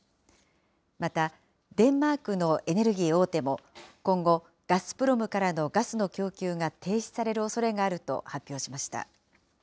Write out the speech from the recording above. また、デンマークのエネルギー大手も、今後、ガスプロムからのガスの供給が停止するおそれがあると発表しました。